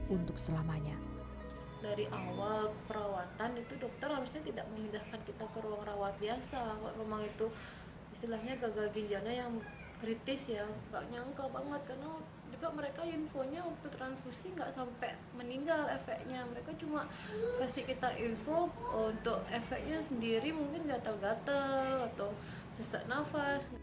untuk selamanya dari awal perawatan itu dokter harusnya tidak memindahkan kita ke ruang rawat